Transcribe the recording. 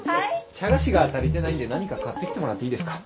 茶菓子が足りてないんで何か買ってきてもらっていいですか。